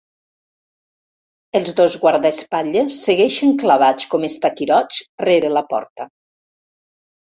Els dos guardaespatlles segueixen clavats com estaquirots rere la porta.